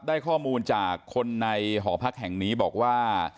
ได้ข้อมูลจากคนในหอพักแห่งนี้บอกว่า